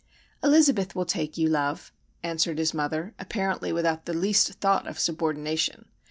"Elizabeth will take you, love," answered his mother, apparently without the least thought of "subordination."